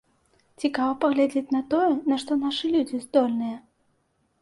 Цікава паглядзець на тое, на што нашы людзі здольныя.